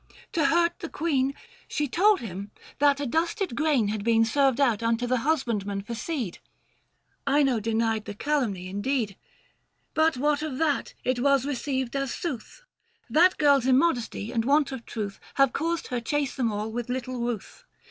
To hurt the queen She told him that adusted grain had been Served out unto the husbandmen for seed. 665 Ino denied the calumny indeed ! But what of that, it was received as sooth. That girl's immodesty and want of truth Have caused her chase them all with little ruth.